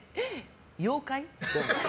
妖怪？